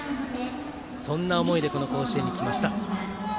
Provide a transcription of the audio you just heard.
そんな思いでこの甲子園に来ました。